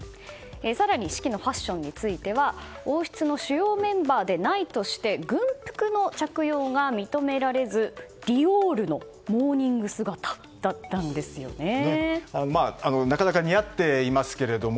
更に式のファッションについては王室の主要メンバーでないとして軍服の着用が認められず、ディオールのまあ、なかなか似合っていますけれども。